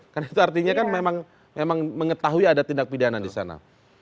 karena itu artinya kan memang mengetahui ada tindak pidana di sana